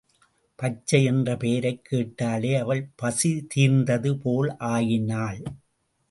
பச்சை என்ற பெயரைக் கேட்டாலே அவள் பசி தீர்ந்தது போல் ஆயினாள்.